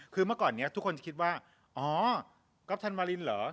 คือเมื่อก่อนนี้ทุกคนจะคิดว่าอ๋อก๊อฟธันวาลินเหรอ